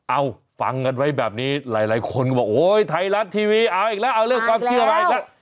เอาฟังกันไว้แบบนี้หลายคนก็บอกโอ้ยไทยรัฐทีวีเอาอีกแล้วเอาเรื่องความเชื่อมาอีกแล้ว